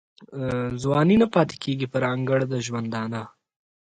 ځواني نه پاته کیږي پر انګړ د ژوندانه